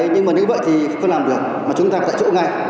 nhưng mà nếu vậy thì không làm được mà chúng ta phải chỗ ngay